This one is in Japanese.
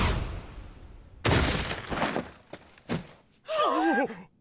あっ！？